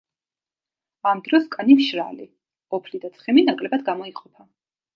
ამ დროს კანი მშრალი, ოფლი და ცხიმი ნაკლებად გამოიყოფა.